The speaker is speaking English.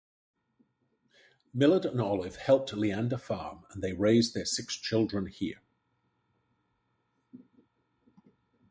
Millard and Olive helped Leander farm and they raised their six children here.